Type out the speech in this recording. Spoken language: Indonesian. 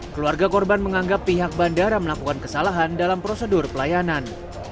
keluarga korban menganggap pihak bandara melakukan kesalahan dalam prosedur pelayanan